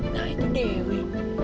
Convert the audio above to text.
nah itu dewi